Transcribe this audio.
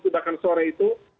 bahkan sore itu